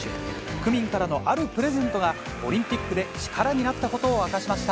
区民からのあるプレゼントが、オリンピックで力になったことを明かしました。